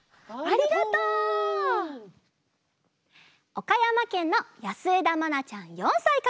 おかやまけんのやすえだまなちゃん４さいから。